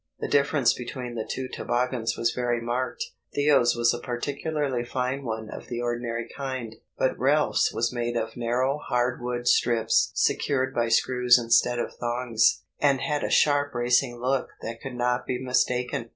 The difference between the two toboggans was very marked. Theo's was a particularly fine one of the ordinary kind, but Ralph's was made of narrow hard wood strips secured by screws instead of thongs, and had a sharp racing look that could not be mistaken.